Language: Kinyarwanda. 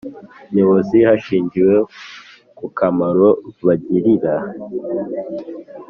Nyobozi hashingiwe ku kamaro bagirira